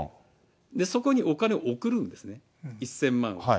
そこにお金を送るんですね、１０００万を。